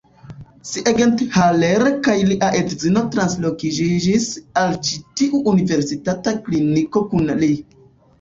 Siegenthaler kaj lia edzino transloĝiĝis al ĉi tiu universitata kliniko kun li.